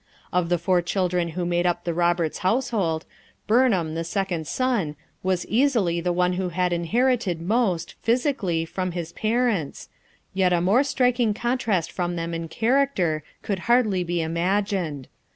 Of the four children who made Tip the Roberts household, Burnham, the second son was easily the one who had inherited most, physically, from his FOUR MOTHERS AT CHAUTAUQUA 21 parents, yet a more striking contrast from them in character could hardlv be imagined.